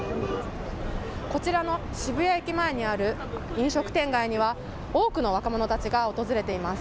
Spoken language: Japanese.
こちらの渋谷駅前にある飲食店街には、多くの若者たちが訪れています。